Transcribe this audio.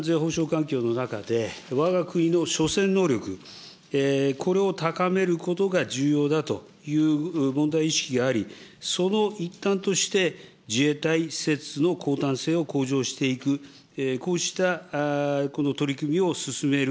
厳しい安全保障環境の中で、わが国の初戦能力、これを高めることが重要だという問題意識があり、その一端として自衛隊施設の抗たん性を向上していく、こうしたこの取り組みを進める。